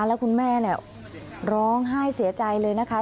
แล้วคุณแม่ร้องไห้เสียใจเลยนะคะ